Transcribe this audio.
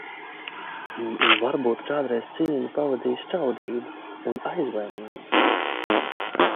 Un varbūt kādreiz cīņu pavadīja skaudība un aizvainojums.